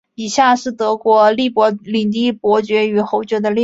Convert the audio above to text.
以下是德国利珀领地伯爵和侯爵的列表。